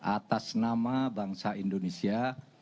atas nama bangsa indonesia